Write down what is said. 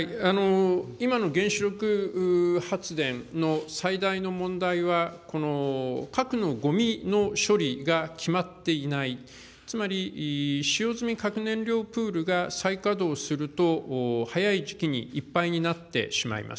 今の原子力発電の最大の問題は、核のごみの処理が決まっていない、つまり使用済み核燃料プールが再稼働すると、早い時期にいっぱいになってしまいます。